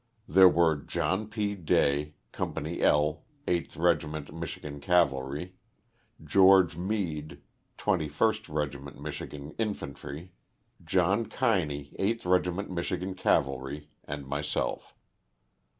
There were John P. Day, Company L, 8th Regiment Michi gan Cavalry, Geo. Meade, 21st Regiment Michigan Infantry, John Kiney, 8th Regiment Michigan Cavalry, and myself.